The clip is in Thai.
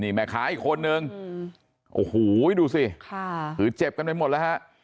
แม่ค้าอีกคนนึงโอ้โหดูสิค่ะคือเจ็บกันไปหมดแล้วฮะ